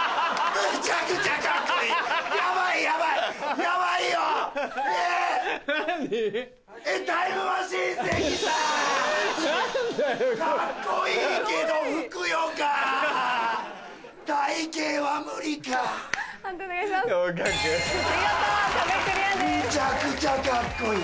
むちゃくちゃカッコいい。